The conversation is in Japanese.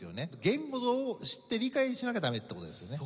言語を知って理解しなきゃダメって事ですよね。